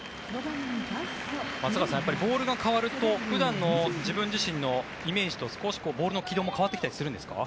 松坂さん、ボールが変わると普段の自分自身のイメージと少しボールの軌道も変わってきたりするんですか。